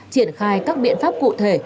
triển khai các biện pháp cụ thể